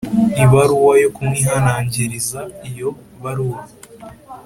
Ibaruwa yo kumwihanangiriza iyo baruwa